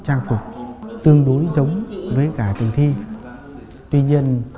anh đi đâu ạ